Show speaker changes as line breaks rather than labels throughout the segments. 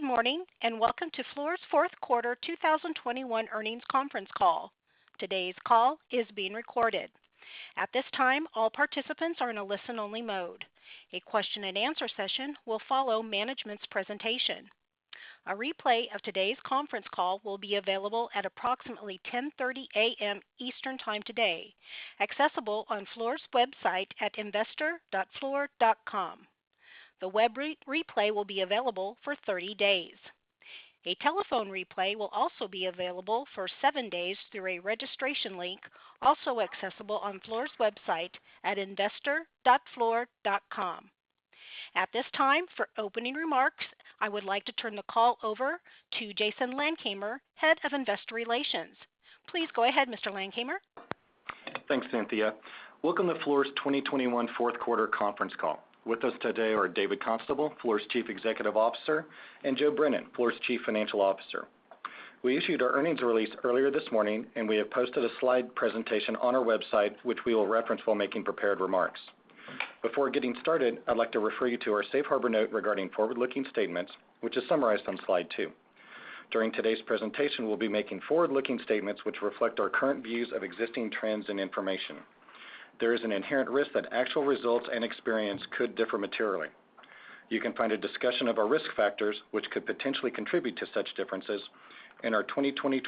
Good morning, and welcome to Fluor's fourth quarter 2021 earnings conference call. Today's call is being recorded. At this time, all participants are in a listen-only mode. A question-and-answer session will follow management's presentation. A replay of today's conference call will be available at approximately 10:30 A.M. Eastern time today, accessible on Fluor's website at investor.fluor.com. The web replay will be available for 30 days. A telephone replay will also be available for 7 days through a registration link, also accessible on Fluor's website at investor.fluor.com. At this time, for opening remarks, I would like to turn the call over to Jason Landkamer, Head of Investor Relations. Please go ahead, Mr. Landkamer.
Thanks, Cynthia. Welcome to Fluor's 2021 fourth quarter conference call. With us today are David Constable, Fluor's Chief Executive Officer, and Joe Brennan, Fluor's Chief Financial Officer. We issued our earnings release earlier this morning, and we have posted a slide presentation on our website, which we will reference while making prepared remarks. Before getting started, I'd like to refer you to our safe harbor note regarding forward-looking statements, which is summarized on slide 2. During today's presentation, we'll be making forward-looking statements which reflect our current views of existing trends and information. There is an inherent risk that actual results and experience could differ materially. You can find a discussion of our risk factors, which could potentially contribute to such differences, in our 2020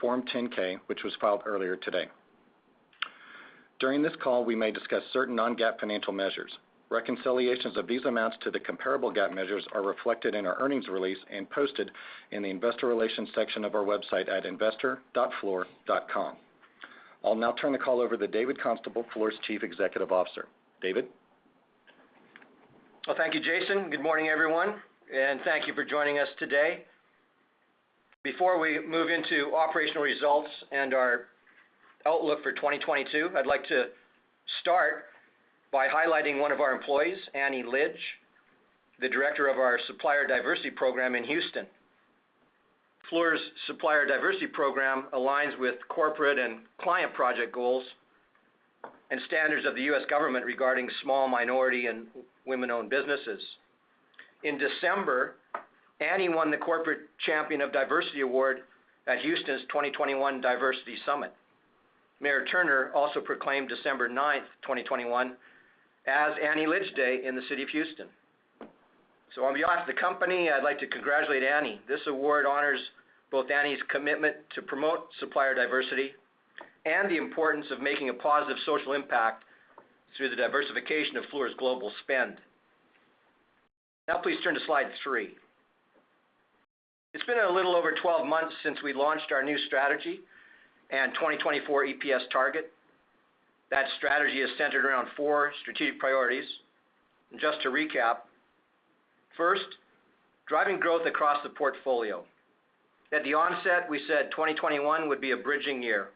Form 10-K, which was filed earlier today. During this call, we may discuss certain non-GAAP financial measures. Reconciliations of these amounts to the comparable GAAP measures are reflected in our earnings release and posted in the investor relations section of our website at investor.fluor.com. I'll now turn the call over to David Constable, Fluor's Chief Executive Officer. David?
Well, thank you, Jason. Good morning, everyone, and thank you for joining us today. Before we move into operational results and our outlook for 2022, I'd like to start by highlighting one of our employees, Annie Lidge, the director of our Supplier Diversity Program in Houston. Fluor's Supplier Diversity Program aligns with corporate and client project goals and standards of the U.S. government regarding small minority and women-owned businesses. In December, Annie won the Corporate Champion of Diversity Award at Houston's 2021 Diversity Summit. Mayor Turner also proclaimed December 9, 2021 as Annie Lidge Day in the City of Houston. On behalf of the company, I'd like to congratulate Annie. This award honors both Annie's commitment to promote supplier diversity and the importance of making a positive social impact through the diversification of Fluor's global spend. Now please turn to slide 3. It's been a little over 12 months since we launched our new strategy and 2024 EPS target. That strategy is centered around four strategic priorities. Just to recap, first, driving growth across the portfolio. At the onset, we said 2021 would be a bridging year.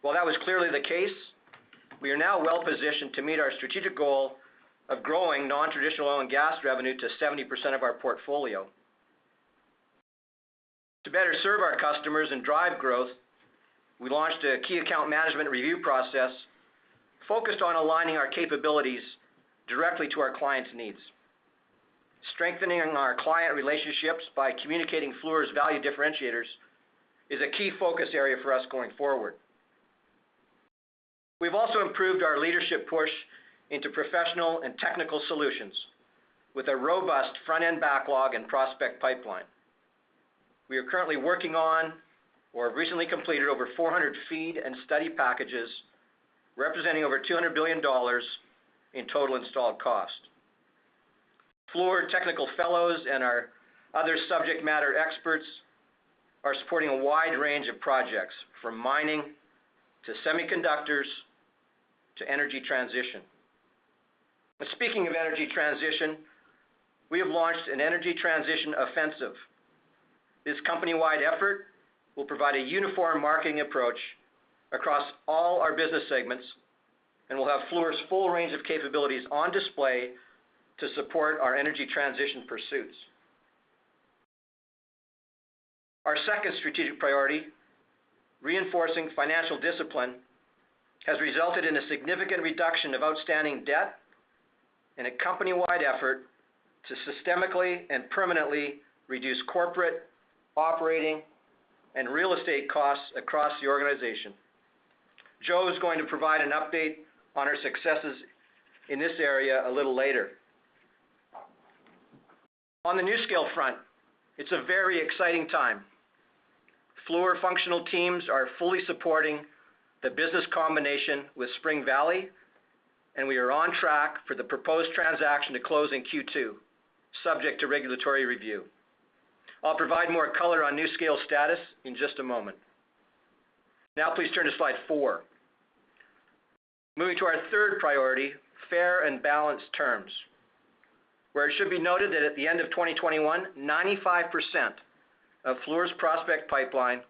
While that was clearly the case, we are now well-positioned to meet our strategic goal of growing non-traditional oil and gas revenue to 70% of our portfolio. To better serve our customers and drive growth, we launched a key account management review process focused on aligning our capabilities directly to our clients' needs. Strengthening our client relationships by communicating Fluor's value differentiators is a key focus area for us going forward. We've also improved our leadership push into professional and technical solutions with a robust front-end backlog and prospect pipeline. We are currently working on or have recently completed over 400 FEED and study packages, representing over $200 billion in total installed cost. Fluor Technical Fellows and our other subject matter experts are supporting a wide range of projects, from mining to semiconductors to energy transition. Speaking of energy transition, we have launched an energy transition offensive. This company-wide effort will provide a uniform marketing approach across all our business segments and will have Fluor's full range of capabilities on display to support our energy transition pursuits. Our second strategic priority, reinforcing financial discipline, has resulted in a significant reduction of outstanding debt and a company-wide effort to systematically and permanently reduce corporate, operating, and real estate costs across the organization. Joe is going to provide an update on our successes in this area a little later. On the NuScale front, it's a very exciting time. Fluor functional teams are fully supporting the business combination with Spring Valley, and we are on track for the proposed transaction to close in Q2, subject to regulatory review. I'll provide more color on NuScale status in just a moment. Now please turn to slide 4. Moving to our third priority, fair and balanced terms, where it should be noted that at the end of 2021, 95% of Fluor's prospect pipeline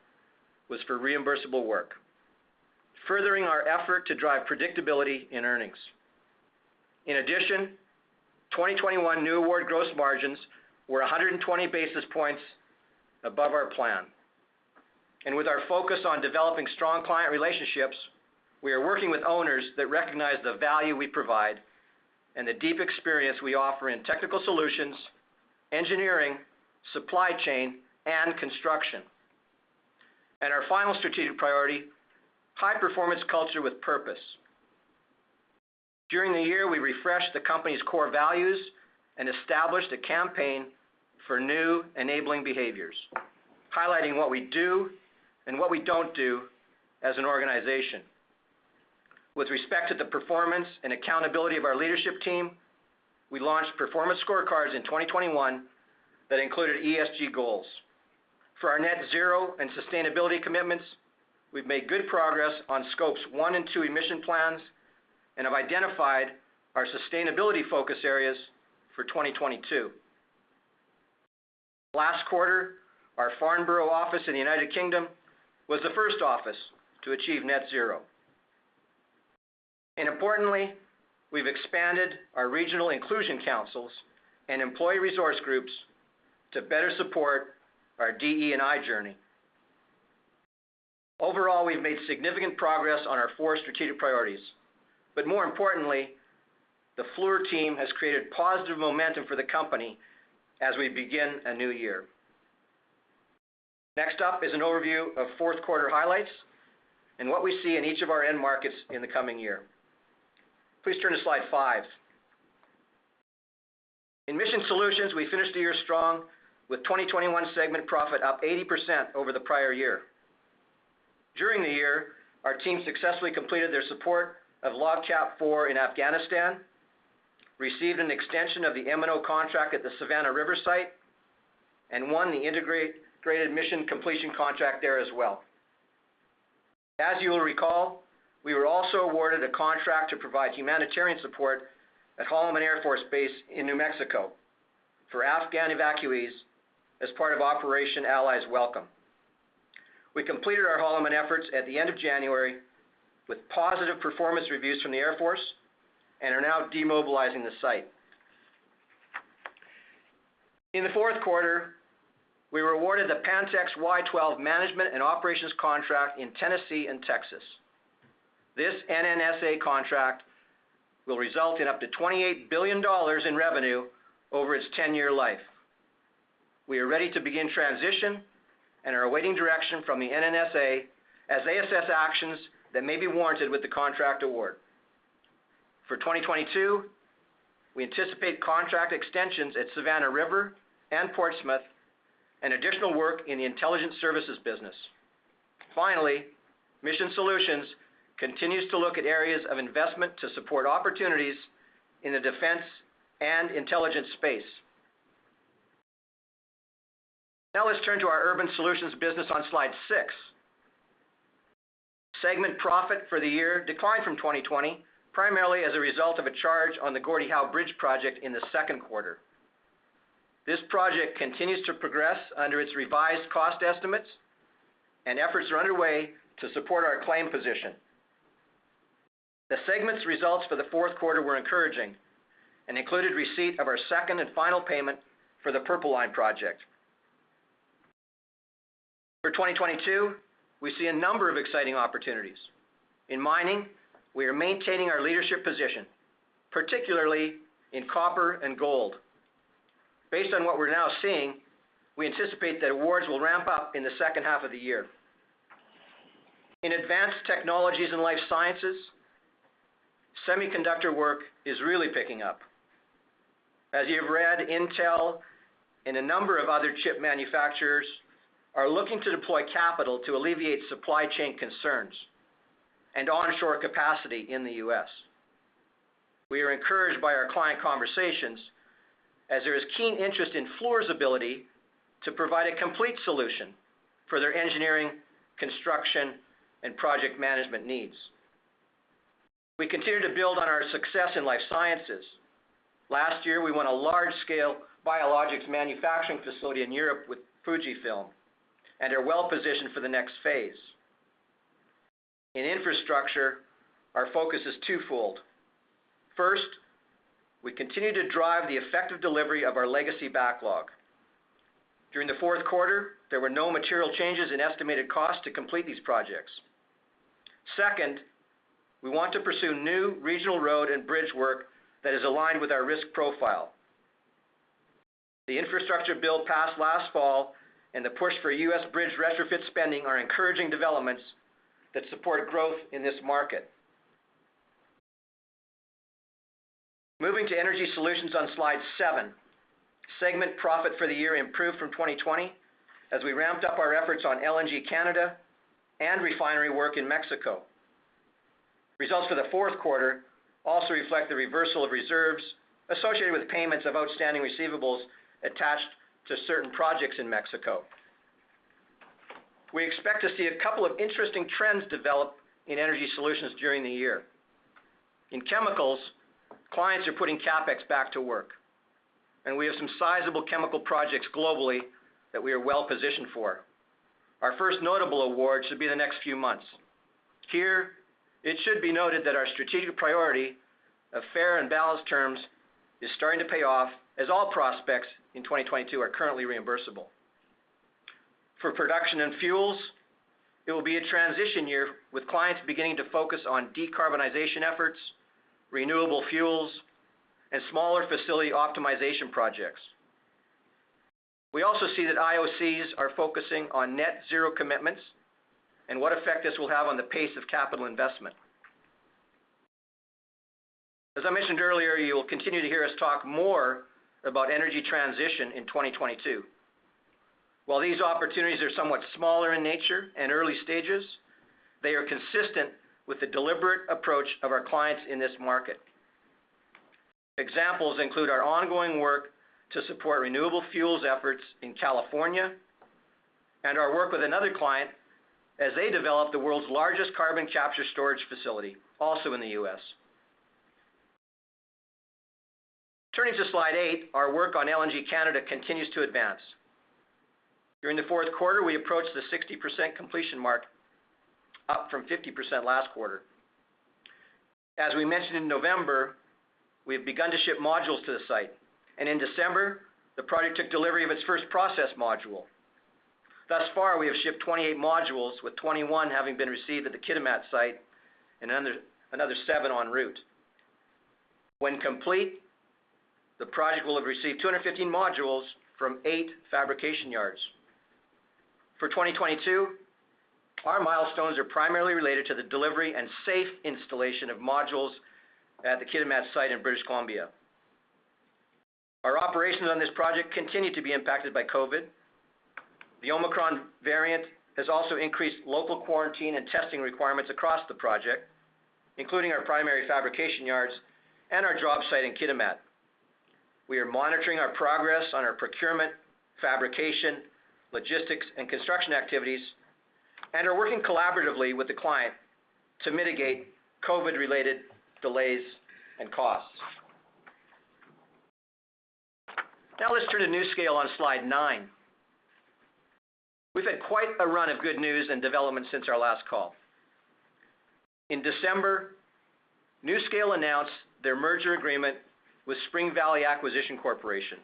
was for reimbursable work, furthering our effort to drive predictability in earnings. In addition, 2021 new award gross margins were 120 basis points above our plan. With our focus on developing strong client relationships, we are working with owners that recognize the value we provide and the deep experience we offer in technical solutions, engineering, supply chain, and construction. Our final strategic priority, high performance culture with purpose. During the year, we refreshed the company's core values and established a campaign for new enabling behaviors, highlighting what we do and what we don't do as an organization. With respect to the performance and accountability of our leadership team, we launched performance scorecards in 2021 that included ESG goals. For our net zero and sustainability commitments, we've made good progress on Scopes 1 and 2 emission plans and have identified our sustainability focus areas for 2022. Last quarter, our Farnborough office in the U.K. was the first office to achieve net zero. Importantly, we've expanded our regional inclusion councils and employee resource groups to better support our DE&I journey. Overall, we've made significant progress on our four strategic priorities, but more importantly, the Fluor team has created positive momentum for the company as we begin a new year. Next up is an overview of fourth quarter highlights and what we see in each of our end markets in the coming year. Please turn to slide 5. In Mission Solutions, we finished the year strong with 2021 segment profit up 80% over the prior year. During the year, our team successfully completed their support of LOGCAP IV in Afghanistan, received an extension of the M&O contract at the Savannah River Site, and won the integrated mission completion contract there as well. As you will recall, we were also awarded a contract to provide humanitarian support at Holloman Air Force Base in New Mexico for Afghan evacuees as part of Operation Allies Welcome. We completed our Holloman efforts at the end of January with positive performance reviews from the Air Force and are now demobilizing the site. In the fourth quarter, we were awarded the Pantex Y-12 management and operations contract in Tennessee and Texas. This NNSA contract will result in up to $28 billion in revenue over its 10-year life. We are ready to begin transition and are awaiting direction from the NNSA as they assess actions that may be warranted with the contract award. For 2022, we anticipate contract extensions at Savannah River and Portsmouth and additional work in the intelligence services business. Finally, Mission Solutions continues to look at areas of investment to support opportunities in the defense and intelligence space. Now, let's turn to our Urban Solutions business on slide 6. Segment profit for the year declined from 2020, primarily as a result of a charge on the Gordie Howe Bridge project in the second quarter. This project continues to progress under its revised cost estimates, and efforts are underway to support our claim position. The segment's results for the fourth quarter were encouraging and included receipt of our second and final payment for the Purple Line project. For 2022, we see a number of exciting opportunities. In mining, we are maintaining our leadership position, particularly in copper and gold. Based on what we're now seeing, we anticipate that awards will ramp up in the second half of the year. In advanced technologies and life sciences, semiconductor work is really picking up. As you've read, Intel and a number of other chip manufacturers are looking to deploy capital to alleviate supply chain concerns and onshore capacity in the U.S. We are encouraged by our client conversations as there is keen interest in Fluor's ability to provide a complete solution for their engineering, construction, and project management needs. We continue to build on our success in life sciences. Last year, we won a large-scale biologics manufacturing facility in Europe with Fujifilm and are well positioned for the next phase. In infrastructure, our focus is twofold. First, we continue to drive the effective delivery of our legacy backlog. During the fourth quarter, there were no material changes in estimated cost to complete these projects. Second, we want to pursue new regional road and bridge work that is aligned with our risk profile. The infrastructure bill passed last fall and the push for U.S. bridge retrofit spending are encouraging developments that support growth in this market. Moving to Energy Solutions on slide 7. Segment profit for the year improved from 2020 as we ramped up our efforts on LNG Canada and refinery work in Mexico. Results for the fourth quarter also reflect the reversal of reserves associated with payments of outstanding receivables attached to certain projects in Mexico. We expect to see a couple of interesting trends develop in Energy Solutions during the year. In chemicals, clients are putting CapEx back to work, and we have some sizable chemical projects globally that we are well positioned for. Our first notable award should be in the next few months. Here, it should be noted that our strategic priority of fair and balanced terms is starting to pay off as all prospects in 2022 are currently reimbursable. For production and fuels, it will be a transition year with clients beginning to focus on decarbonization efforts, renewable fuels, and smaller facility optimization projects. We also see that IOCs are focusing on net zero commitments and what effect this will have on the pace of capital investment. As I mentioned earlier, you will continue to hear us talk more about energy transition in 2022. While these opportunities are somewhat smaller in nature and early stages, they are consistent with the deliberate approach of our clients in this market. Examples include our ongoing work to support renewable fuels efforts in California and our work with another client as they develop the world's largest carbon capture storage facility, also in the U.S. Turning to slide 8, our work on LNG Canada continues to advance. During the fourth quarter, we approached the 60% completion mark, up from 50% last quarter. As we mentioned in November, we have begun to ship modules to the site, and in December, the project took delivery of its first process module. Thus far, we have shipped 28 modules, with 21 having been received at the Kitimat site and another seven en route. When complete, the project will have received 215 modules from eight fabrication yards. For 2022, our milestones are primarily related to the delivery and safe installation of modules at the Kitimat site in British Columbia. Our operations on this project continue to be impacted by COVID. The Omicron variant has also increased local quarantine and testing requirements across the project, including our primary fabrication yards and our job site in Kitimat. We are monitoring our progress on our procurement, fabrication, logistics, and construction activities, and are working collaboratively with the client to mitigate COVID-related delays and costs. Now let's turn to NuScale on slide 9. We've had quite a run of good news and developments since our last call. In December, NuScale announced their merger agreement with Spring Valley Acquisition Corporation.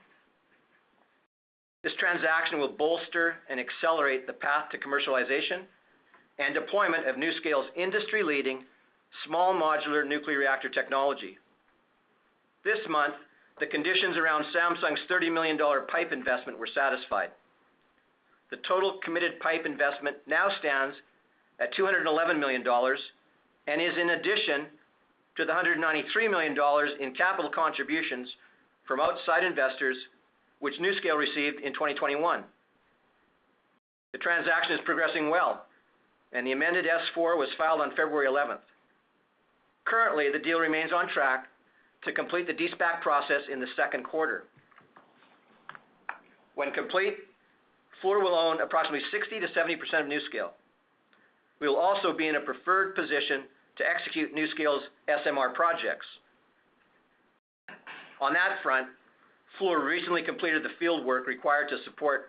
This transaction will bolster and accelerate the path to commercialization and deployment of NuScale's industry-leading small modular nuclear reactor technology. This month, the conditions around Samsung's $30 million PIPE investment were satisfied. The total committed PIPE investment now stands at $211 million and is in addition to the $193 million in capital contributions from outside investors, which NuScale received in 2021. The transaction is progressing well, and the amended S-4 was filed on February 11. Currently, the deal remains on track to complete the de-SPAC process in the second quarter. When complete, Fluor will own approximately 60%-70% of NuScale. We will also be in a preferred position to execute NuScale's SMR projects. On that front, Fluor recently completed the fieldwork required to support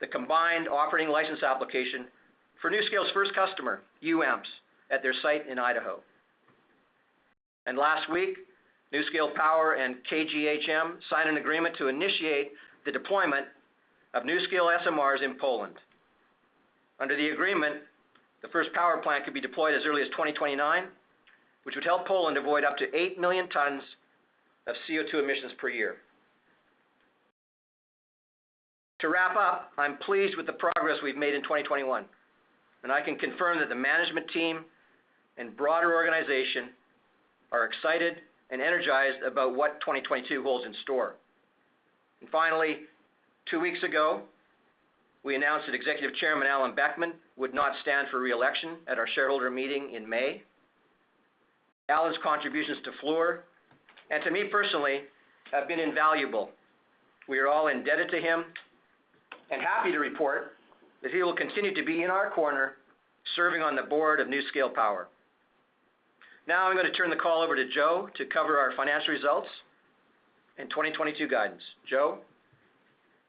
the combined operating license application for NuScale's first customer, UAMPS, at their site in Idaho. Last week, NuScale Power and KGHM signed an agreement to initiate the deployment of NuScale SMRs in Poland. Under the agreement, the first power plant could be deployed as early as 2029, which would help Poland avoid up to 8 million tons of CO2 emissions per year. To wrap up, I'm pleased with the progress we've made in 2021, and I can confirm that the management team and broader organization are excited and energized about what 2022 holds in store. Finally, two weeks ago, we announced that Executive Chairman Alan Boeckmann would not stand for re-election at our shareholder meeting in May. Alan's contributions to Fluor and to me personally have been invaluable. We are all indebted to him and happy to report that he will continue to be in our corner, serving on the board of NuScale Power. Now I'm gonna turn the call over to Joe to cover our financial results and 2022 guidance.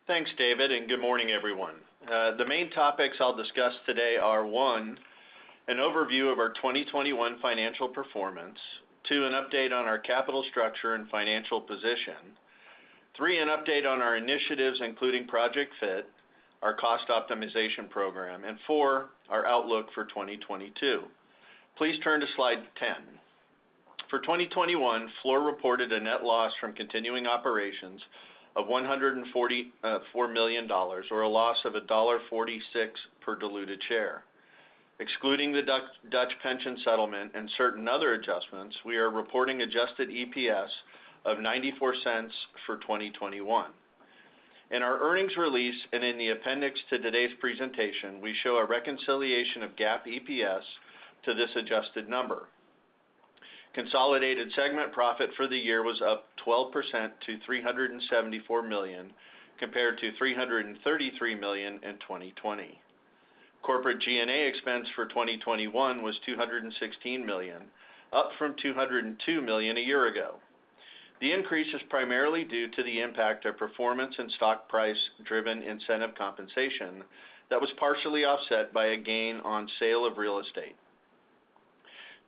Joe?
Thanks, David, and good morning, everyone. The main topics I'll discuss today are, one, an overview of our 2021 financial performance. Two, an update on our capital structure and financial position. Three, an update on our initiatives, including Project Fit, our cost optimization program. Four, our outlook for 2022. Please turn to slide 10. For 2021, Fluor reported a net loss from continuing operations of $144 million or a loss of $1.46 per diluted share. Excluding the Dutch pension settlement and certain other adjustments, we are reporting adjusted EPS of $0.94 for 2021. In our earnings release and in the appendix to today's presentation, we show a reconciliation of GAAP EPS to this adjusted number. Consolidated segment profit for the year was up 12% to $374 million, compared to $333 million in 2020. Corporate G&A expense for 2021 was $216 million, up from $202 million a year ago. The increase is primarily due to the impact of performance and stock price-driven incentive compensation that was partially offset by a gain on sale of real estate.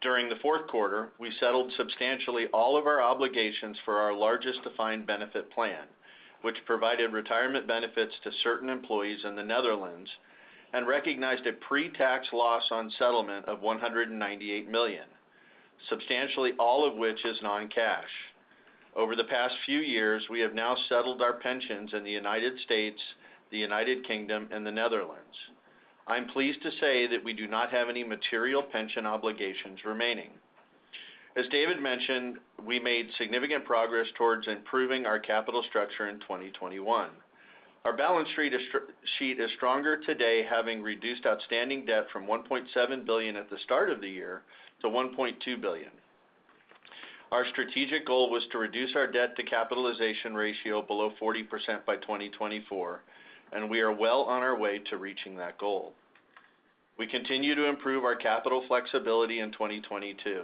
During the fourth quarter, we settled substantially all of our obligations for our largest defined benefit plan, which provided retirement benefits to certain employees in the Netherlands and recognized a pre-tax loss on settlement of $198 million, substantially all of which is non-cash. Over the past few years, we have now settled our pensions in the United States, the United Kingdom and the Netherlands. I'm pleased to say that we do not have any material pension obligations remaining. As David mentioned, we made significant progress towards improving our capital structure in 2021. Our balance sheet is stronger today, having reduced outstanding debt from $1.7 billion at the start of the year to $1.2 billion. Our strategic goal was to reduce our debt to capitalization ratio below 40% by 2024, and we are well on our way to reaching that goal. We continue to improve our capital flexibility in 2022.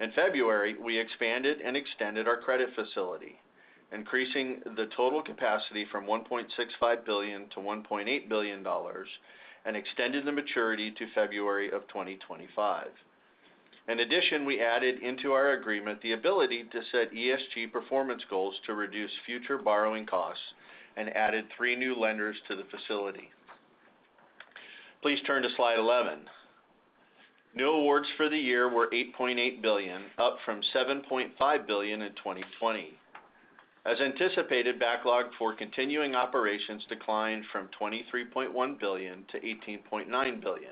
In February, we expanded and extended our credit facility, increasing the total capacity from $1.65 billion to $1.8 billion and extended the maturity to February of 2025. In addition, we added into our agreement the ability to set ESG performance goals to reduce future borrowing costs and added three new lenders to the facility. Please turn to slide 11. New awards for the year were $8.8 billion, up from $7.5 billion in 2020. As anticipated, backlog for continuing operations declined from $23.1 billion to $18.9 billion.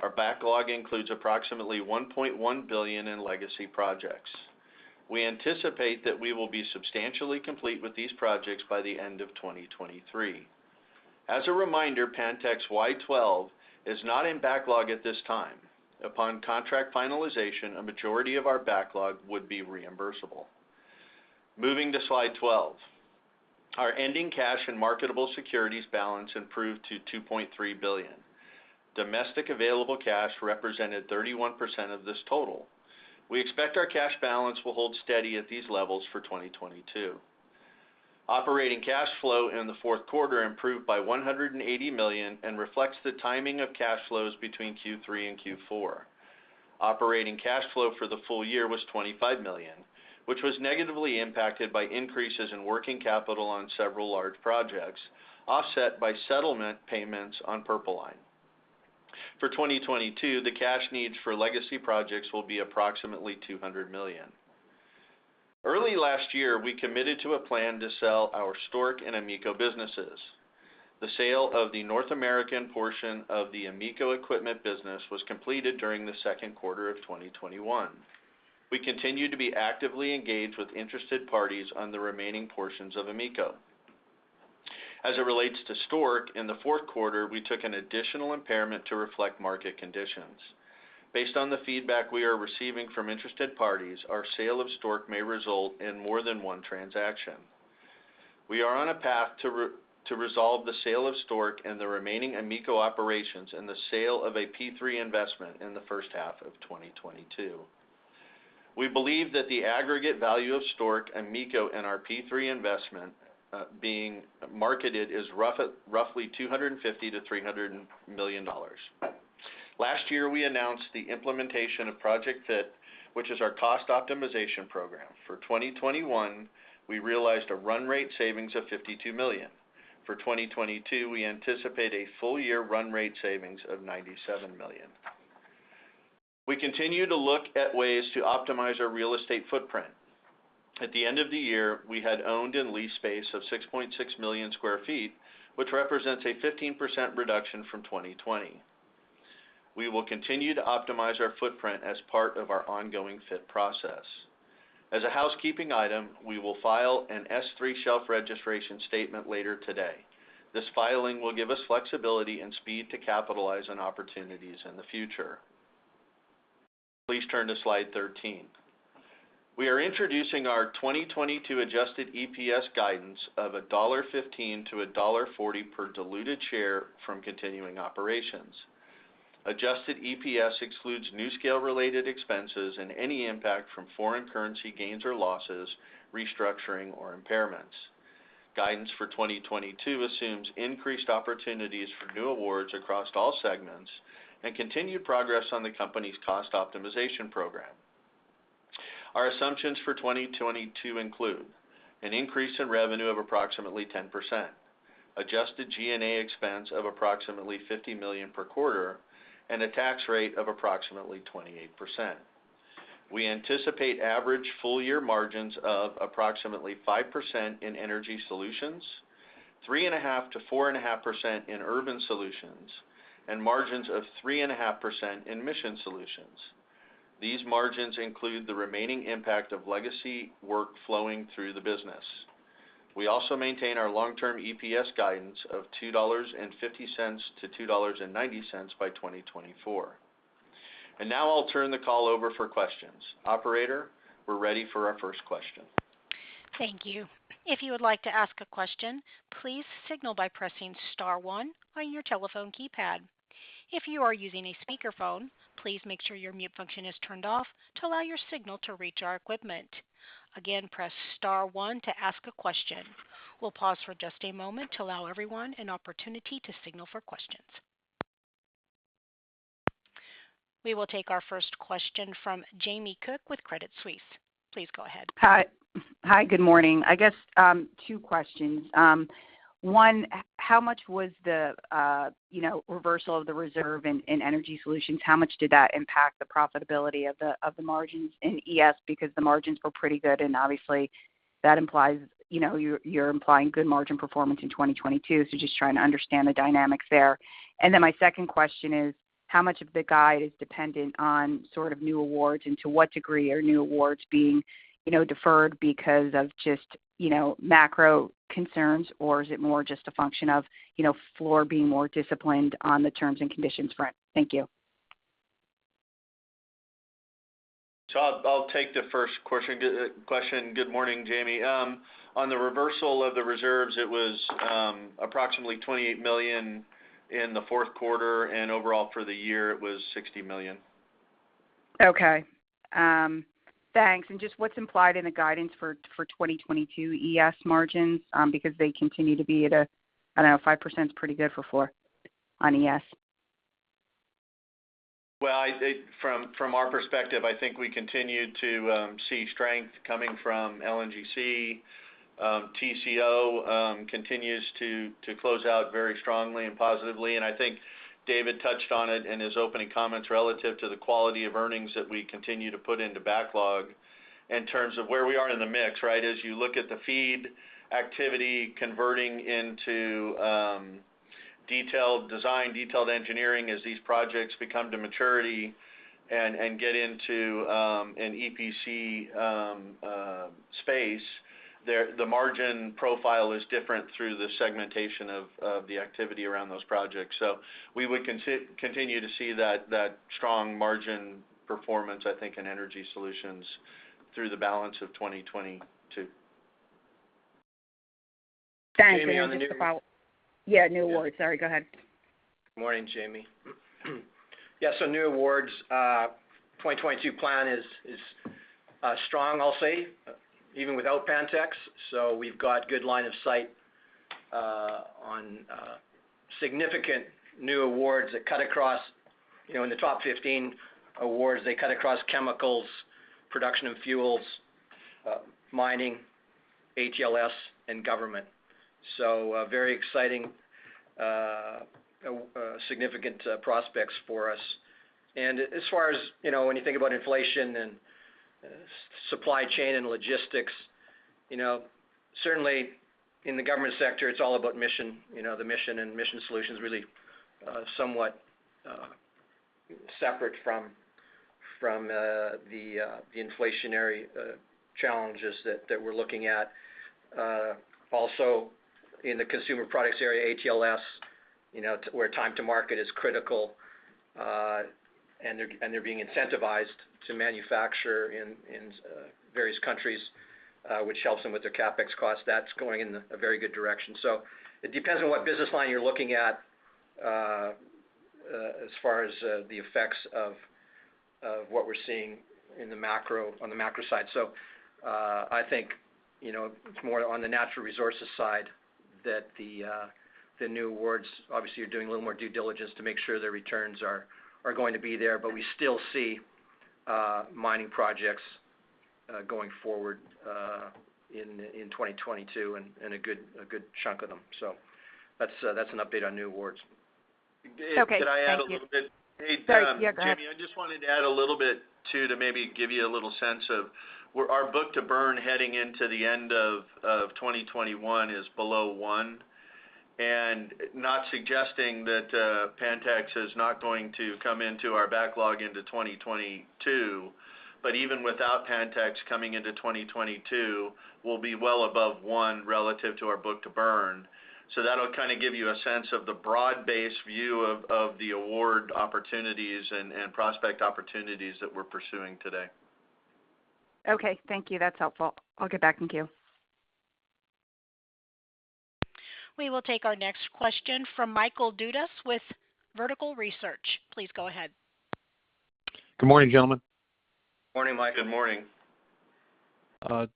Our backlog includes approximately $1.1 billion in legacy projects. We anticipate that we will be substantially complete with these projects by the end of 2023. As a reminder, Pantex Y-12 is not in backlog at this time. Upon contract finalization, a majority of our backlog would be reimbursable. Moving to slide 12. Our ending cash and marketable securities balance improved to $2.3 billion. Domestic available cash represented 31% of this total. We expect our cash balance will hold steady at these levels for 2022. Operating cash flow in the fourth quarter improved by $180 million and reflects the timing of cash flows between Q3 and Q4. Operating cash flow for the full year was $25 million, which was negatively impacted by increases in working capital on several large projects, offset by settlement payments on Purple Line. For 2022, the cash needs for legacy projects will be approximately $200 million. Early last year, we committed to a plan to sell our Stork and AMECO businesses. The sale of the North American portion of the AMECO equipment business was completed during the second quarter of 2021. We continue to be actively engaged with interested parties on the remaining portions of AMECO. As it relates to Stork, in the fourth quarter, we took an additional impairment to reflect market conditions. Based on the feedback we are receiving from interested parties, our sale of Stork may result in more than one transaction. We are on a path to resolve the sale of Stork and the remaining AMECO operations and the sale of a P3 investment in the first half of 2022. We believe that the aggregate value of Stork, AMECO and our P3 investment being marketed is roughly $250 million-$300 million. Last year, we announced the implementation of Project Fit, which is our cost optimization program. For 2021, we realized a run rate savings of $52 million. For 2022, we anticipate a full year run rate savings of $97 million. We continue to look at ways to optimize our real estate footprint. At the end of the year, we had owned and leased space of 6.6 million sq ft, which represents a 15% reduction from 2020. We will continue to optimize our footprint as part of our ongoing Project Fit process. As a housekeeping item, we will file an S-3 shelf registration statement later today. This filing will give us flexibility and speed to capitalize on opportunities in the future. Please turn to slide 13. We are introducing our 2022 adjusted EPS guidance of $1.15-$1.40 per diluted share from continuing operations. Adjusted EPS excludes NuScale-related expenses and any impact from foreign currency gains or losses, restructuring or impairments. Guidance for 2022 assumes increased opportunities for new awards across all segments and continued progress on the company's cost optimization program. Our assumptions for 2022 include an increase in revenue of approximately 10%, adjusted G&A expense of approximately $50 million per quarter, and a tax rate of approximately 28%. We anticipate average full-year margins of approximately 5% in Energy Solutions, 3.5%-4.5% in Urban Solutions, and margins of 3.5% in Mission Solutions. These margins include the remaining impact of legacy work flowing through the business. We also maintain our long-term EPS guidance of $2.50-$2.90 by 2024. Now I'll turn the call over for questions. Operator, we're ready for our first question.
Thank you. If you would like to ask a question, please signal by pressing star one on your telephone keypad. If you are using a speakerphone, please make sure your mute function is turned off to allow your signal to reach our equipment. Again, press star one to ask a question. We'll pause for just a moment to allow everyone an opportunity to signal for questions. We will take our first question from Jamie Cook with Credit Suisse. Please go ahead.
Hi. Hi, good morning. I guess, two questions. One, how much was the, you know, reversal of the reserve in Energy Solutions? How much did that impact the profitability of the margins in ES? Because the margins were pretty good. Obviously that implies, you know, you're implying good margin performance in 2022. Just trying to understand the dynamics there. My second question is, how much of the guide is dependent on sort of new awards, and to what degree are new awards being, you know, deferred because of just, you know, macro concerns? Or is it more just a function of, you know, Fluor being more disciplined on the terms and conditions front? Thank you.
I'll take the first question. Good morning, Jamie. On the reversal of the reserves, it was approximately $28 million in the fourth quarter, and overall for the year it was $60 million.
Okay. Thanks. Just what's implied in the guidance for 2022 ES margins, because they continue to be at a, I don't know, 5%'s pretty good for Fluor on ES.
Well, I think from our perspective, I think we continue to see strength coming from LNGC. TCO continues to close out very strongly and positively. I think David touched on it in his opening comments relative to the quality of earnings that we continue to put into backlog in terms of where we are in the mix, right? As you look at the feed activity converting into detailed design, detailed engineering as these projects become to maturity and get into an EPC space. The margin profile is different through the segmentation of the activity around those projects. We would continue to see that strong margin performance, I think, in Energy Solutions through the balance of 2022.
Thanks.
Jamie, on the new-
Yeah, new awards. Sorry, go ahead.
Good morning, Jamie. Yeah, so new awards, 2022 plan is strong, I'll say, even without Pantex. We've got good line of sight on significant new awards that cut across, you know, in the top 15 awards, they cut across chemicals, production and fuels, mining, ATLS and government. Very exciting, significant prospects for us. As far as, you know, when you think about inflation and supply chain and logistics, you know, certainly in the government sector, it's all about mission, you know, the mission and Mission Solutions really somewhat separate from the inflationary challenges that we're looking at. Also in the consumer products area, ATLS, you know, where time to market is critical, and they're being incentivized to manufacture in various countries, which helps them with their CapEx costs. That's going in a very good direction. It depends on what business line you're looking at, the effects of what we're seeing on the macro side. I think, you know, it's more on the natural resources side that the new awards obviously are doing a little more due diligence to make sure their returns are going to be there. We still see mining projects going forward in 2022 and a good chunk of them. That's an update on new awards.
Okay.
Can I add a little bit?
Sorry. Yeah, go ahead.
Jamie, I just wanted to add a little bit too, to maybe give you a little sense of where our book-to-burn heading into the end of 2021 is below one. Not suggesting that Pantex is not going to come into our backlog into 2022, but even without Pantex coming into 2022, we'll be well above one relative to our book-to-burn. That'll kinda give you a sense of the broad-based view of the award opportunities and prospect opportunities that we're pursuing today.
Okay. Thank you. That's helpful. I'll get back in queue.
We will take our next question from Michael Dudas with Vertical Research. Please go ahead.
Good morning, gentlemen.
Morning, Michael.
Good morning.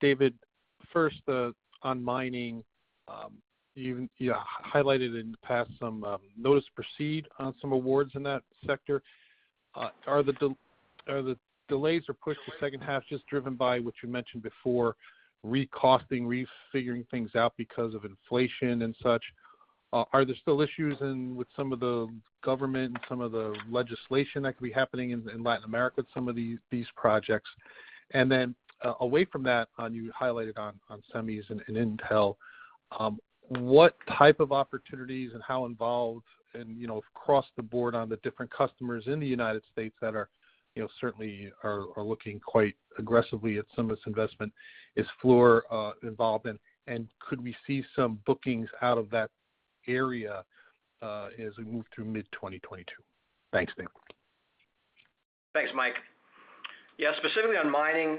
David, first, on mining, you highlighted in the past some notice to proceed on some awards in that sector. Are the delays or push to second half just driven by what you mentioned before, recosting, refiguring things out because of inflation and such? Are there still issues with some of the government and some of the legislation that could be happening in Latin America with some of these projects? Away from that, you highlighted on semis and Intel, what type of opportunities and how involved and, you know, across the board on the different customers in the United States that are certainly looking quite aggressively at some of this investment is Fluor involved in? Could we see some bookings out of that area, as we move through mid-2022? Thanks.
Thanks, Mike. Yeah, specifically on mining,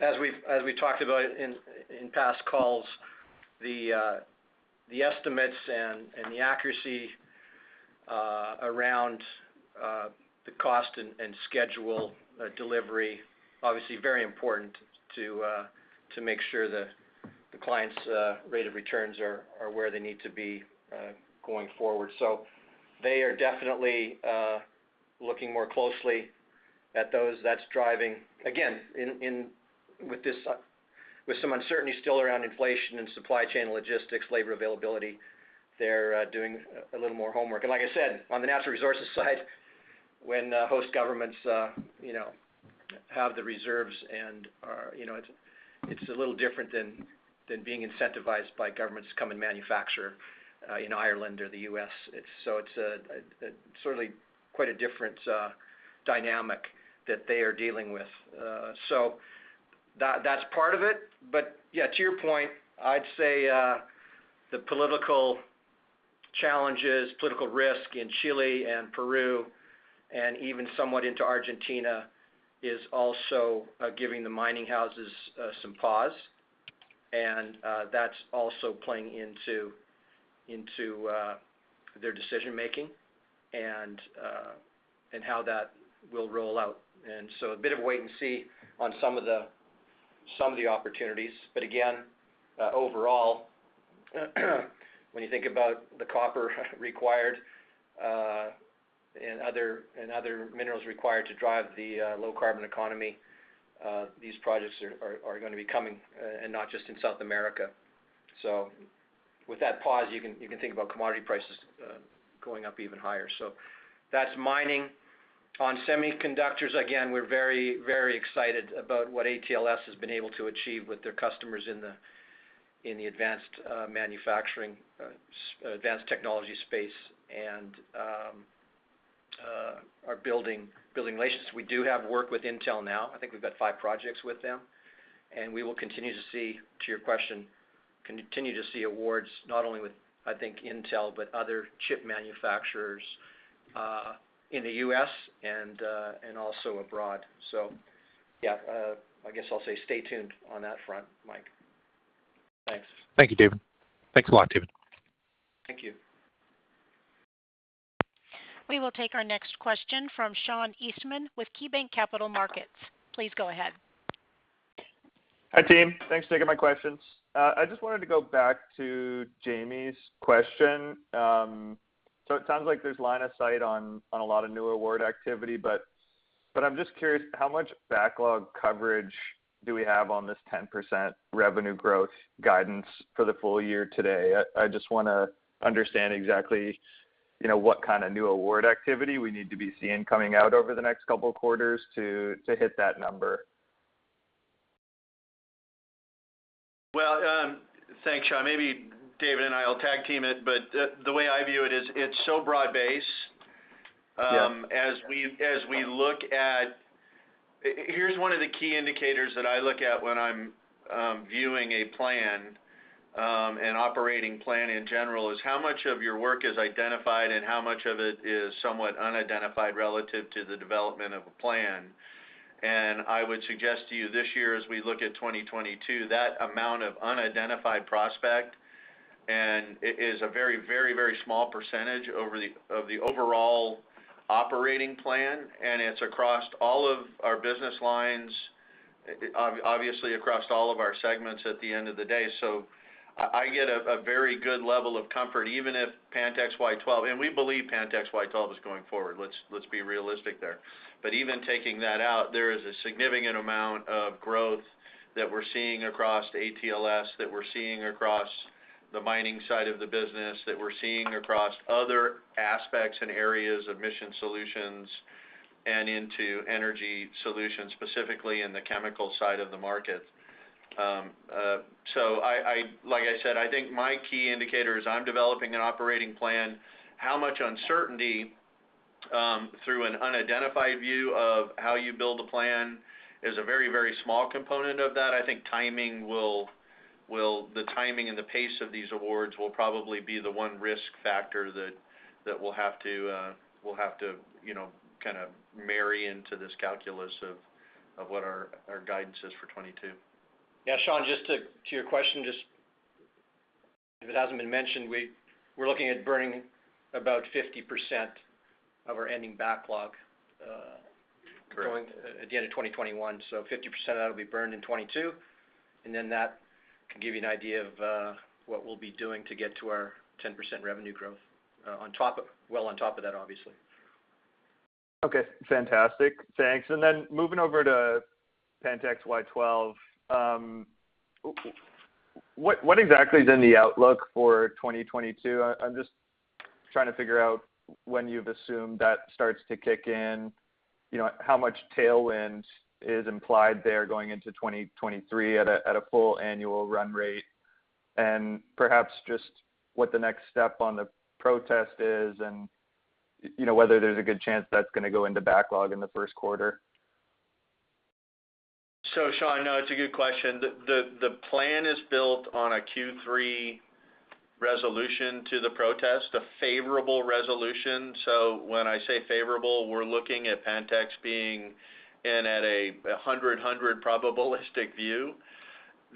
as we talked about in past calls, the estimates and the accuracy around the cost and schedule delivery obviously very important to make sure the clients' rate of returns are where they need to be going forward. They are definitely looking more closely at those that's driving. Again, with some uncertainty still around inflation and supply chain logistics, labor availability, they're doing a little more homework. Like I said, on the natural resources side, when host governments you know have the reserves and are you know it's a little different than being incentivized by governments to come and manufacture in Ireland or the U.S. It's certainly a quite different dynamic that they are dealing with. That's part of it. Yeah, to your point, I'd say the political challenges, political risk in Chile and Peru, and even somewhat into Argentina, is also giving the mining houses some pause. That's also playing into their decision-making and how that will roll out. A bit of wait and see on some of the opportunities. Again, overall, when you think about the copper required and other minerals required to drive the low carbon economy, these projects are gonna be coming and not just in South America. With that pause, you can think about commodity prices going up even higher. That's mining. On semiconductors, again, we're very excited about what ATLS has been able to achieve with their customers in the advanced manufacturing advanced technology space and are building relations. We do have work with Intel now. I think we've got five projects with them, and we will continue to see, to your question, continue to see awards not only with, I think Intel, but other chip manufacturers in the U.S. and also abroad. Yeah, I guess I'll say stay tuned on that front, Mike. Thanks.
Thank you, David. Thanks a lot, David.
Thank you.
We will take our next question from Sean Eastman with KeyBanc Capital Markets. Please go ahead.
Hi, team. Thanks for taking my questions. I just wanted to go back to Jamie's question. So it sounds like there's line of sight on a lot of new award activity, but I'm just curious how much backlog coverage do we have on this 10% revenue growth guidance for the full year today? I just wanna understand exactly, you know, what kind of new award activity we need to be seeing coming out over the next couple of quarters to hit that number.
Well, thanks, Sean. Maybe David and I will tag team it, but the way I view it is it's so broad-based.
Yeah.
As we look at, here's one of the key indicators that I look at when I'm viewing a plan, an operating plan in general, is how much of your work is identified and how much of it is somewhat unidentified relative to the development of a plan. I would suggest to you this year, as we look at 2022, that amount of unidentified prospect is a very small percentage of the overall operating plan, and it's across all of our business lines, obviously across all of our segments at the end of the day. I get a very good level of comfort, even if Pantex Y-12. We believe Pantex Y-12 is going forward. Let's be realistic there. Even taking that out, there is a significant amount of growth that we're seeing across ATLS, that we're seeing across the mining side of the business, that we're seeing across other aspects and areas of Mission Solutions and into Energy Solutions, specifically in the chemical side of the market. Like I said, I think my key indicator is I'm developing an operating plan. How much uncertainty through an unidentified view of how you build a plan is a very small component of that. I think the timing and the pace of these awards will probably be the one risk factor that we'll have to you know, kind of marry into this calculus of what our guidance is for 2022.
Yeah, Sean, just to your question, just if it hasn't been mentioned, we're looking at burning about 50% of our ending backlog.
Correct
At the end of 2021, 50% of that will be burned in 2022, and then that can give you an idea of what we'll be doing to get to our 10% revenue growth, on top of that, obviously.
Okay, fantastic. Thanks. Then moving over to Pantex Y-12. What exactly is in the outlook for 2022? I'm just trying to figure out when you've assumed that starts to kick in, you know, how much tailwind is implied there going into 2023 at a full annual run rate, and perhaps just what the next step on the protest is and, you know, whether there's a good chance that's gonna go into backlog in the first quarter?
Sean, no, it's a good question. The plan is built on a Q3 resolution to the protest, a favorable resolution. When I say favorable, we're looking at Pantex being in at a 100 probabilistic view.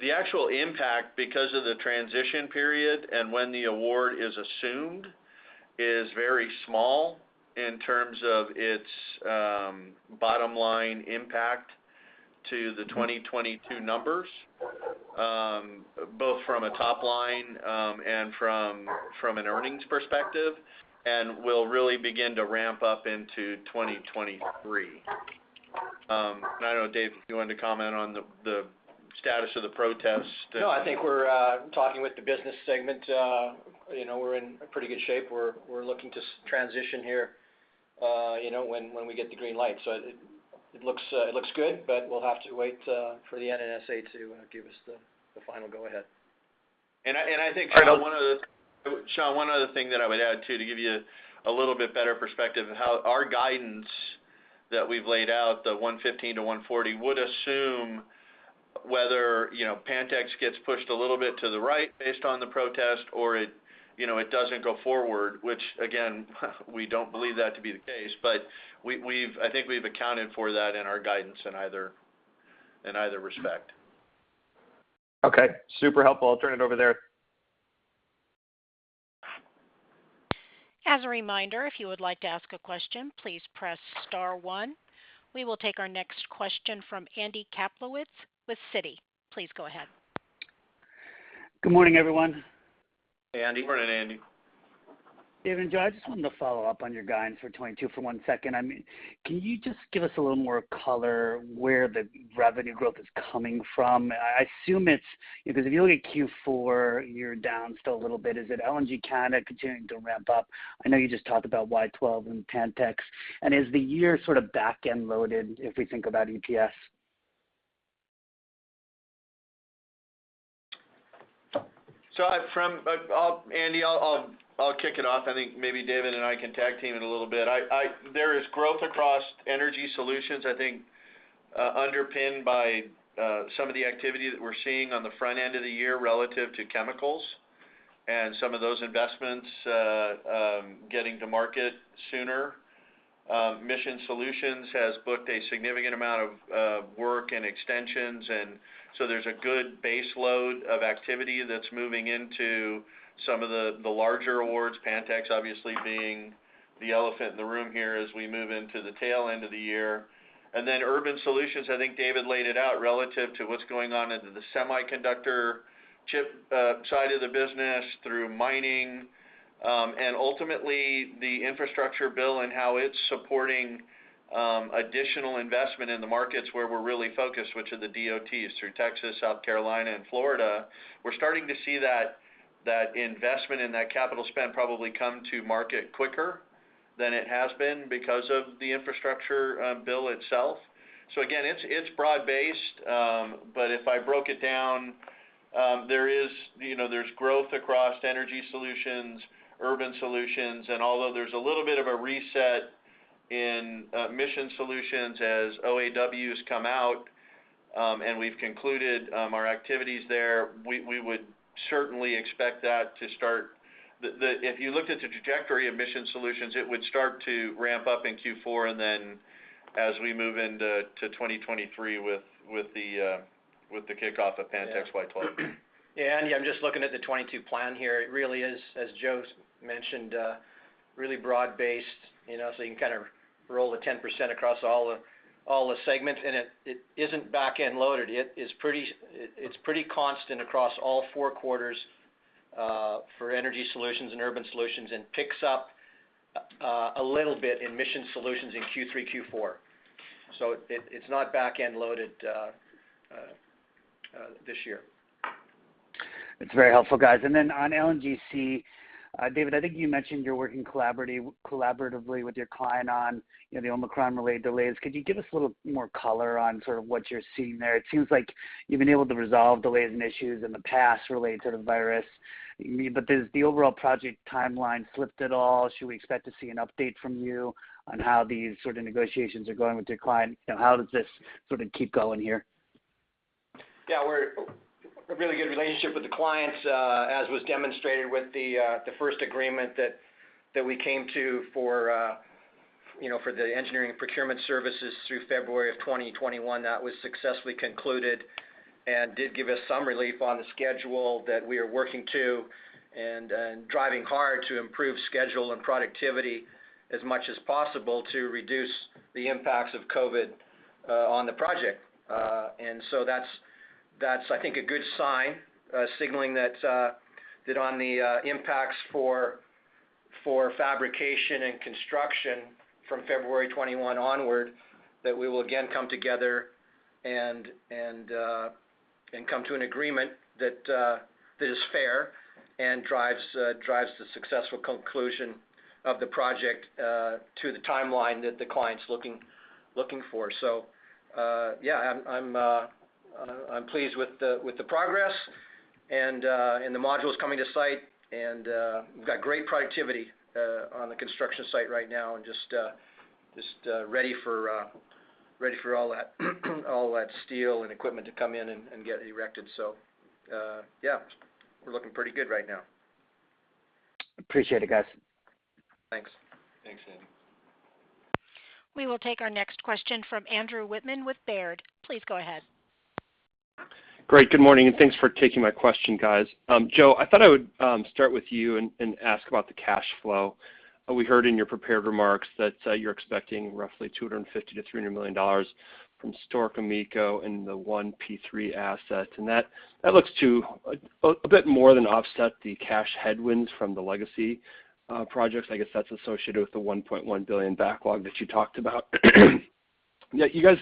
The actual impact, because of the transition period and when the award is assumed, is very small in terms of its bottom-line impact to the 2022 numbers, both from a top line and from an earnings perspective, and will really begin to ramp up into 2023. I don't know, Dave, if you want to comment on the status of the protest.
No, I think we're talking with the business segment, you know, we're in a pretty good shape. We're looking to transition here, you know, when we get the green light. It looks good, but we'll have to wait for the NNSA to give us the final go ahead.
I think one other thing, Sean, that I would add too to give you a little bit better perspective of how our guidance that we've laid out, the $115-$140 would assume whether, you know, Pantex gets pushed a little bit to the right based on the protest or it, you know, it doesn't go forward, which again, we don't believe that to be the case. I think we've accounted for that in our guidance in either respect.
Okay. Super helpful. I'll turn it over there.
As a reminder, if you would like to ask a question, please press star one. We will take our next question from Andy Kaplowitz with Citigroup. Please go ahead.
Good morning, everyone.
Hey, Andy.
Morning, Andy.
David and Joe, I just wanted to follow up on your guidance for 2022 for one second. I mean, can you just give us a little more color where the revenue growth is coming from? I assume it's because if you look at Q4, you're down still a little bit. Is it LNG Canada continuing to ramp up? I know you just talked about Y-12 and Pantex. Is the year sort of back-end loaded if we think about EPS?
Andy, I'll kick it off. I think maybe David and I can tag team it a little bit. There is growth across Energy Solutions, I think, underpinned by some of the activity that we're seeing on the front end of the year relative to chemicals and some of those investments getting to market sooner. Mission Solutions has booked a significant amount of work and extensions, and so there's a good base load of activity that's moving into some of the larger awards, Pantex obviously being the elephant in the room here as we move into the tail end of the year. Urban Solutions, I think David laid it out relative to what's going on into the semiconductor chip side of the business through mining, and ultimately the infrastructure bill and how it's supporting additional investment in the markets where we're really focused, which are the DOTs through Texas, South Carolina, and Florida. We're starting to see that investment and that capital spend probably come to market quicker than it has been because of the infrastructure bill itself. Again, it's broad-based, but if I broke it down, there is, you know, there's growth across Energy Solutions, Urban Solutions, and although there's a little bit of a reset in Mission Solutions as OAW come out, and we've concluded our activities there, we would certainly expect that to start. If you looked at the trajectory of Mission Solutions, it would start to ramp up in Q4, and then as we move into 2023 with the kickoff of Pantex Y-12.
Yeah. Andy, I'm just looking at the 2022 plan here. It really is, as Joe's mentioned, really broad-based, you know, so you can kind of roll the 10% across all the segments. It isn't back-end loaded. It's pretty constant across all four quarters for Energy Solutions and Urban Solutions, and picks up a little bit in Mission Solutions in Q3, Q4. It's not back-end loaded this year.
That's very helpful, guys. On LNGC, David, I think you mentioned you're working collaboratively with your client on, you know, the Omicron-related delays. Could you give us a little more color on sort of what you're seeing there? It seems like you've been able to resolve delays and issues in the past related to the virus. I mean, but does the overall project timeline slipped at all? Should we expect to see an update from you on how these sort of negotiations are going with your client? You know, how does this sort of keep going here?
Yeah. We have a really good relationship with the clients, as was demonstrated with the first agreement that we came to for, you know, for the engineering procurement services through February of 2021. That was successfully concluded and did give us some relief on the schedule that we are working to and driving hard to improve schedule and productivity as much as possible to reduce the impacts of COVID on the project. That's I think a good sign signaling that on the impacts for fabrication and construction from February 2021 onward, that we will again come together and come to an agreement that is fair and drives the successful conclusion of the project to the timeline that the client's looking for. Yeah, I'm pleased with the progress. The module's coming to site, and we've got great productivity on the construction site right now, and just ready for all that steel and equipment to come in and get erected. Yeah, we're looking pretty good right now.
Appreciate it, guys.
Thanks.
Thanks, Andy.
We will take our next question from Andrew Wittmann with Baird. Please go ahead.
Great. Good morning, and thanks for taking my question, guys. Joe, I thought I would start with you and ask about the cash flow. We heard in your prepared remarks that you're expecting roughly $250 million-$300 million from Stork, AMECO, and the one P3 asset. That looks a bit more than offset the cash headwinds from the legacy projects. I guess that's associated with the $1.1 billion backlog that you talked about. Yet you guys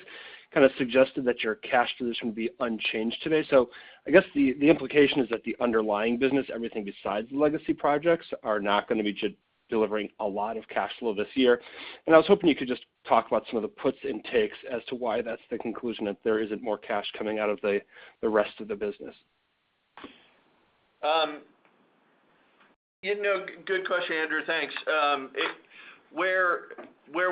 kind of suggested that your cash position will be unchanged today. I guess the implication is that the underlying business, everything besides the legacy projects, are not gonna be delivering a lot of cash flow this year. I was hoping you could just talk about some of the puts and takes as to why that's the conclusion, if there isn't more cash coming out of the rest of the business.
You know, good question, Andrew, thanks. Where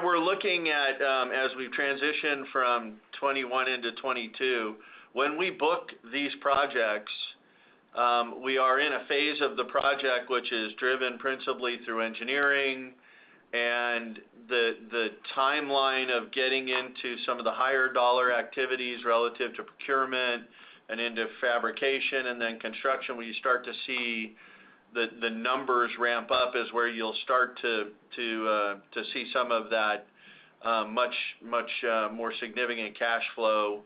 we're looking at, as we transition from 2021 into 2022, when we book these projects, we are in a phase of the project which is driven principally through engineering. The timeline of getting into some of the higher dollar activities relative to procurement and into fabrication and then construction, where you start to see the numbers ramp up, is where you'll start to see some of that much more significant cash flow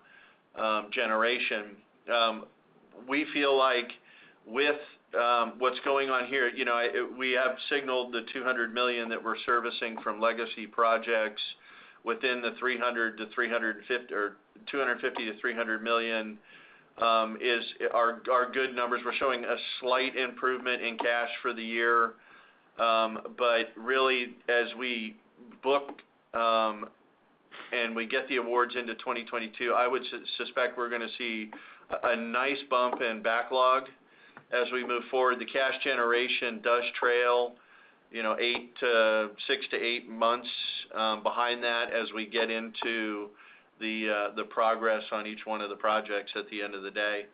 generation. We feel like with what's going on here, you know, we have signaled the $200 million that we're servicing from legacy projects within the $300-$350, or $250-$300 million, is our good numbers. We're showing a slight improvement in cash for the year. Really, as we book and we get the awards into 2022, I would suspect we're gonna see a nice bump in backlog as we move forward. The cash generation does trail, you know, 6-8 months behind that as we get into the progress on each one of the projects at the end of the day.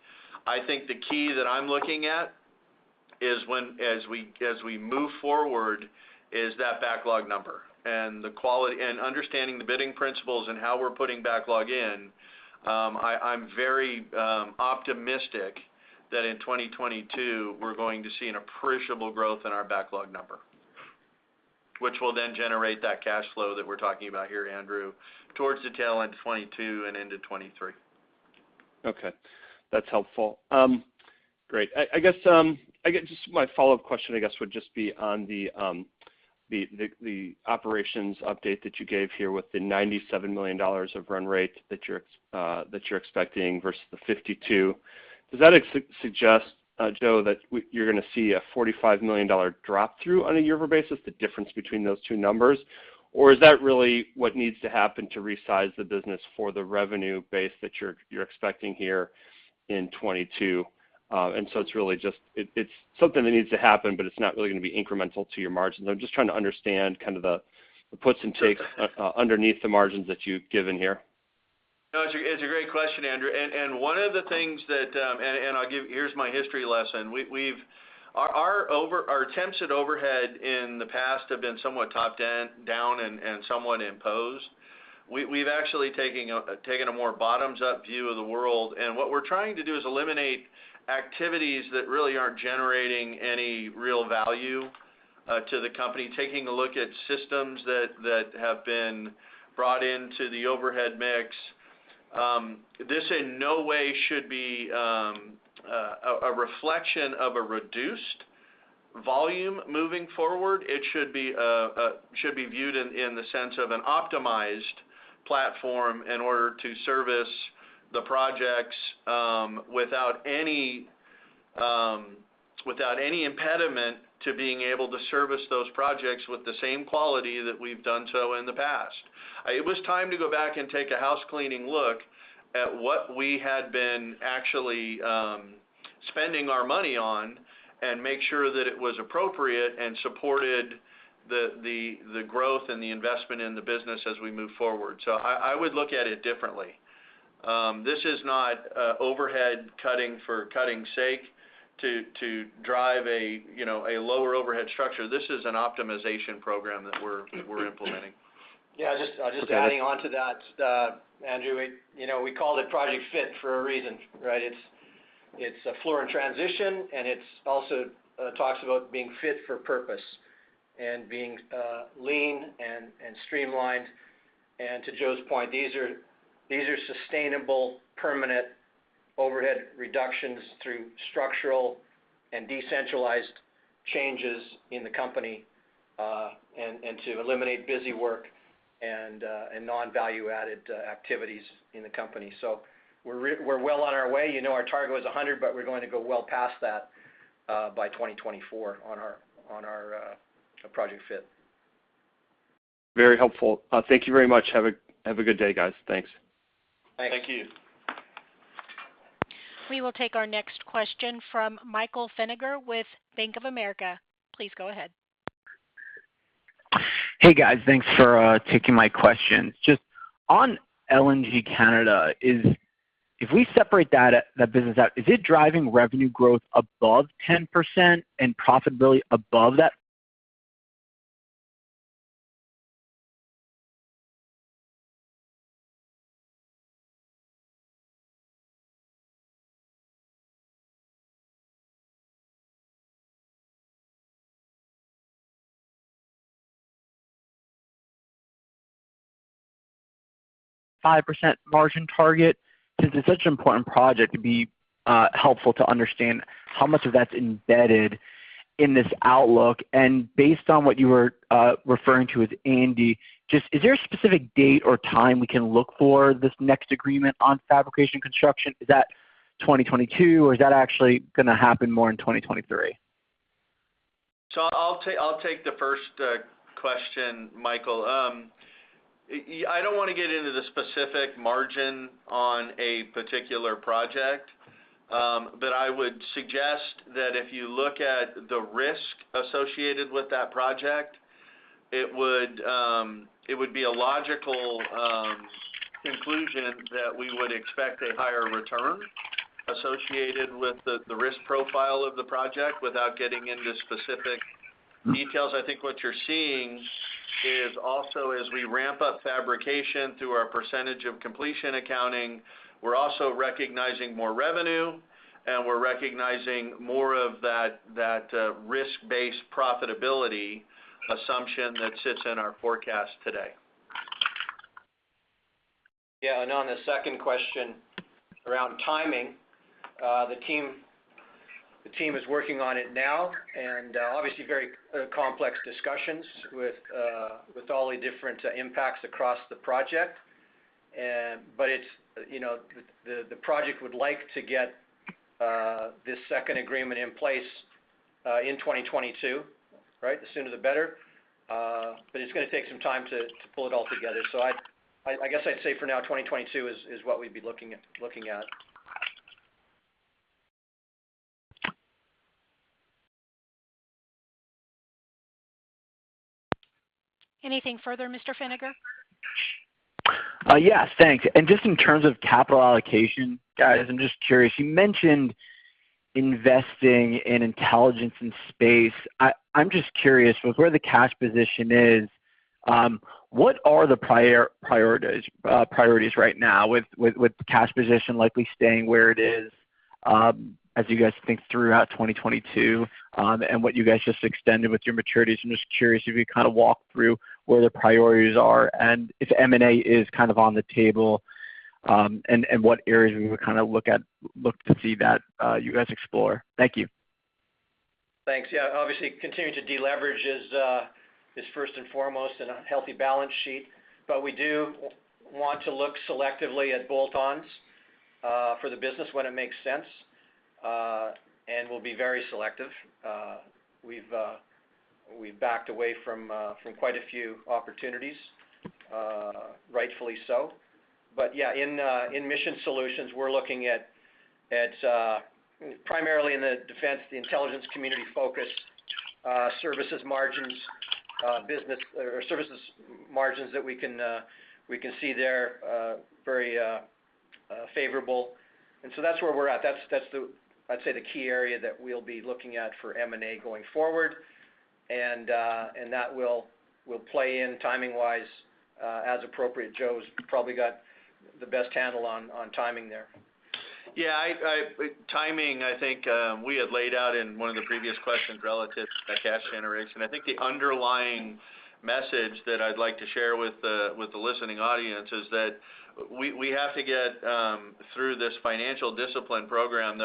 I think the key that I'm looking at, as we move forward, is that backlog number and the quality. Understanding the bidding principles and how we're putting backlog in, I'm very optimistic that in 2022, we're going to see an appreciable growth in our backlog number, which will then generate that cash flow that we're talking about here, Andrew, towards the tail end of 2022 and into 2023.
Okay. That's helpful. Great. I guess just my follow-up question, I guess, would just be on the operations update that you gave here with the $97 million of run rate that you're expecting versus the $52 million. Does that suggest, Joe, that you're gonna see a $45 million drop through on a year-over-year basis, the difference between those two numbers? Or is that really what needs to happen to resize the business for the revenue base that you're expecting here in 2022? It's really just. It's something that needs to happen, but it's not really gonna be incremental to your margins. I'm just trying to understand kind of the puts and takes underneath the margins that you've given here.
No, it's a great question, Andrew. Here's my history lesson. Our attempts at overhead in the past have been somewhat top down and somewhat imposed. We've actually taking a more bottoms-up view of the world. What we're trying to do is eliminate activities that really aren't generating any real value to the company, taking a look at systems that have been brought into the overhead mix. This in no way should be a reflection of a reduced volume moving forward. It should be viewed in the sense of an optimized platform in order to service the projects without any impediment to being able to service those projects with the same quality that we've done so in the past. It was time to go back and take a housecleaning look at what we had been actually spending our money on and make sure that it was appropriate and supported the growth and the investment in the business as we move forward. I would look at it differently. This is not overhead cutting for cutting's sake to drive, you know, a lower overhead structure. This is an optimization program that we're implementing.
Yeah, just adding on to that, Andrew. We, you know, we called it Project Fit for a reason, right? It's a Fluor in transition, and it's also talks about being fit for purpose and being lean and streamlined. To Joe's point, these are sustainable, permanent overhead reductions through structural and decentralized changes in the company, and to eliminate busywork and non-value added activities in the company. We're well on our way. You know our target was 100, but we're going to go well past that by 2024 on our Project Fit.
Very helpful. Thank you very much. Have a good day, guys. Thanks.
Thank you.
We will take our next question from Michael Feniger with Bank of America. Please go ahead.
Hey, guys. Thanks for taking my question. Just on LNG Canada. If we separate that business out, is it driving revenue growth above 10% and profitability above that 5% margin target? Because it's such an important project, it'd be helpful to understand how much of that's embedded in this outlook. Based on what you were referring to with Andy, just is there a specific date or time we can look for this next agreement on fabrication construction? Is that 2022 or is that actually gonna happen more in 2023?
I'll take the first question, Michael. I don't wanna get into the specific margin on a particular project. I would suggest that if you look at the risk associated with that project, it would be a logical conclusion that we would expect a higher return associated with the risk profile of the project without getting into specific details. I think what you're seeing is also as we ramp up fabrication through our percentage of completion accounting, we're also recognizing more revenue, and we're recognizing more of that risk-based profitability assumption that sits in our forecast today.
Yeah. On the second question around timing, the team is working on it now, and obviously very complex discussions with all the different impacts across the project. But it's, you know, the project would like to get this second agreement in place in 2022, right? The sooner the better. It's gonna take some time to pull it all together. I guess I'd say for now 2022 is what we'd be looking at.
Anything further, Mr. Feniger?
Yes. Thanks. Just in terms of capital allocation, guys, I'm just curious. You mentioned investing in intelligence and space. I'm just curious with where the cash position is, what are the priorities right now with the cash position likely staying where it is, as you guys think throughout 2022, and what you guys just extended with your maturities. I'm just curious if you could kind of walk through where the priorities are and if M&A is kind of on the table, and what areas we would kind of look to see that you guys explore. Thank you.
Thanks. Yeah. Obviously, continuing to deleverage is first and foremost in a healthy balance sheet. We do want to look selectively at bolt-ons for the business when it makes sense, and we'll be very selective. We've backed away from quite a few opportunities, rightfully so. Yeah, in Mission Solutions, we're looking at primarily in the defense, the intelligence community focus, services margins, business or services margins that we can see there, very favorable. That's where we're at. That's the, I'd say, the key area that we'll be looking at for M&A going forward, and that will play in timing-wise, as appropriate. Joe's probably got the best handle on timing there.
Yeah. Timing, I think, we had laid out in one of the previous questions relative to the cash generation. I think the underlying message that I'd like to share with the listening audience is that we have to get through this financial discipline program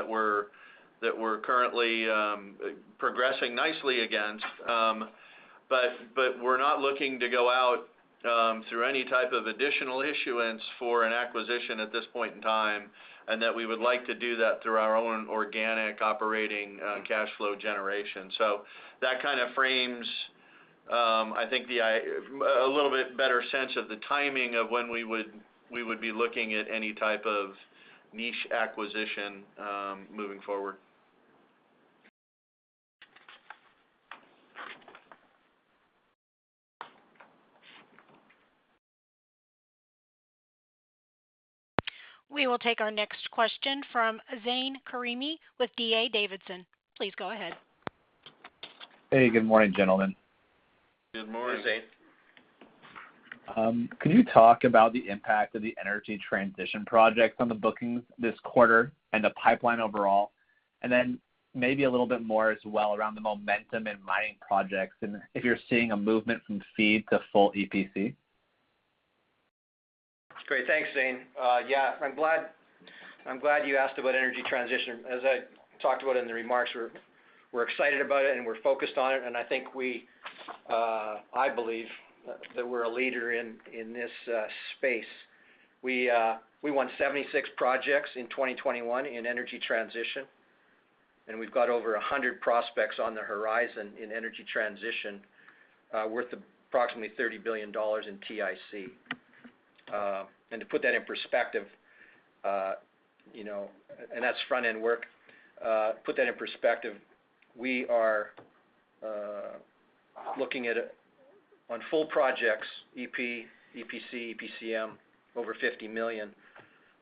that we're currently progressing nicely against. But we're not looking to go out through any type of additional issuance for an acquisition at this point in time, and that we would like to do that through our own organic operating cash flow generation. That kind of frames, I think, a little bit better sense of the timing of when we would be looking at any type of niche acquisition moving forward.
We will take our next question from Zane Karimi with D.A. Davidson. Please go ahead.
Hey, good morning, gentlemen.
Good morning.
Good morning, Zane.
Can you talk about the impact of the energy transition projects on the bookings this quarter and the pipeline overall? Maybe a little bit more as well around the momentum in mining projects and if you're seeing a movement from FEED to full EPC.
Great. Thanks, Zane. I'm glad you asked about energy transition. As I talked about in the remarks, we're excited about it and we're focused on it, and I think we, I believe that we're a leader in this space. We won 76 projects in 2021 in energy transition. We've got over 100 prospects on the horizon in energy transition, worth approximately $30 billion in TIC. To put that in perspective, that's front-end work. Put that in perspective, we are looking at, on full projects, EP, EPC, EPCM, over $50 million.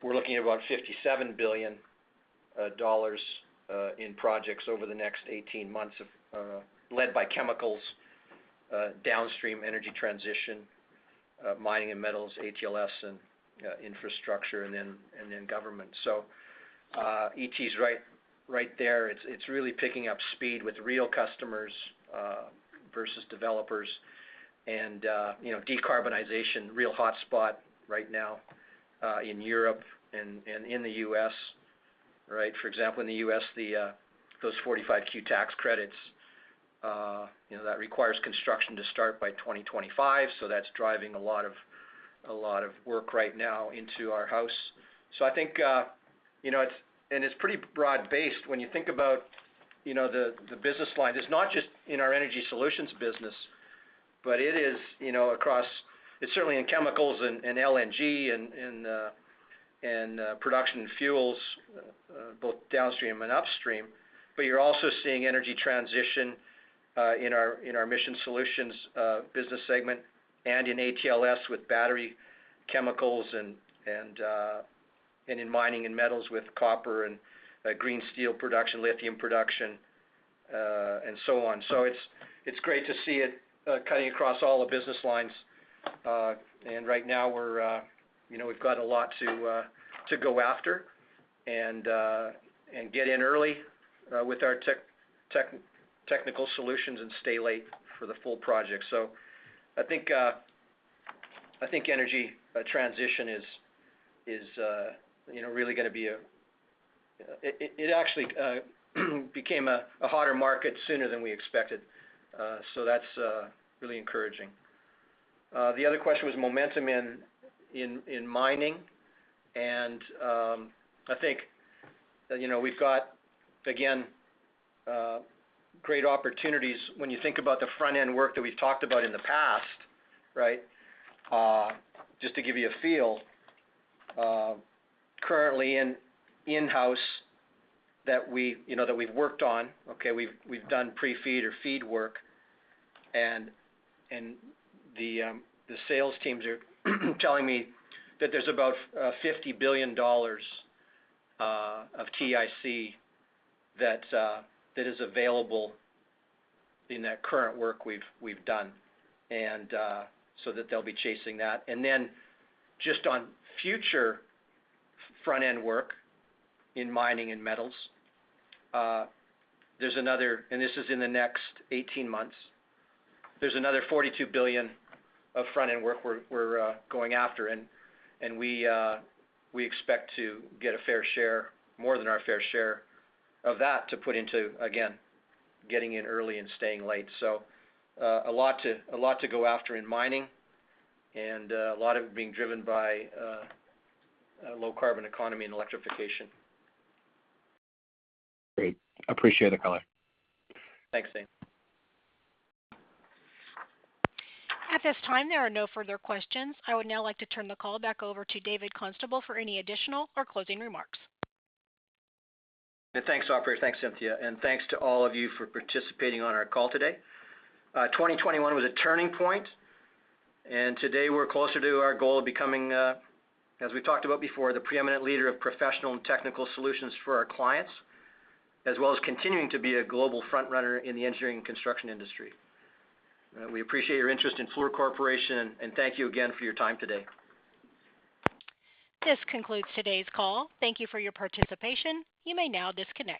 We're looking at about $57 billion in projects over the next 18 months led by chemicals, downstream energy transition, mining and metals, ATLS and infrastructure, and then government. ET is right there. It's really picking up speed with real customers versus developers and you know, decarbonization, real hotspot right now in Europe and in the US. Right? For example, in the US, those 45Q tax credits you know that requires construction to start by 2025, so that's driving a lot of work right now into our house. I think you know it's pretty broad-based when you think about you know the business line. It's not just in our Energy Solutions business, but it is you know across. It's certainly in chemicals and LNG and production fuels both downstream and upstream. You're also seeing energy transition in our Mission Solutions business segment and in ATLS with battery chemicals and in mining and metals with copper and green steel production, lithium production and so on. It's great to see it cutting across all the business lines. Right now we're you know we've got a lot to go after and get in early with our technical solutions and stay late for the full project. I think energy transition is you know really gonna be a hotter market. It actually became a hotter market sooner than we expected. That's really encouraging. The other question was momentum in mining. I think that, you know, we've got, again, great opportunities when you think about the front-end work that we've talked about in the past, right? Just to give you a feel, currently in-house that we, you know, that we've worked on, we've done pre-FEED or FEED work, and the sales teams are telling me that there's about $50 billion of TIC that is available in that current work we've done, and so that they'll be chasing that. Just on future front-end work in mining and metals, there's another. This is in the next 18 months. There's another $42 billion of front-end work we're going after, and we expect to get a fair share, more than our fair share of that to put into, again, getting in early and staying late. A lot to go after in mining, and a lot of it being driven by low carbon economy and electrification.
Great. Appreciate the color.
Thanks, Sam.
At this time, there are no further questions. I would now like to turn the call back over to David Constable for any additional or closing remarks.
Thanks, operator. Thanks, Cynthia. Thanks to all of you for participating on our call today. 2021 was a turning point, and today we're closer to our goal of becoming, as we talked about before, the preeminent leader of professional and technical solutions for our clients, as well as continuing to be a global front-runner in the engineering and construction industry. We appreciate your interest in Fluor Corporation and thank you again for your time today.
This concludes today's call. Thank you for your participation. You may now disconnect.